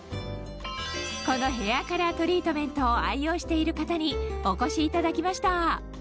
このヘアカラートリートメントを愛用している方にお越しいただきました